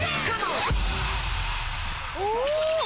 お！